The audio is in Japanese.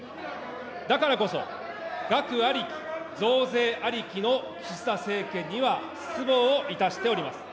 だからこそ、額ありき、増税ありきの岸田政権には失望をいたしております。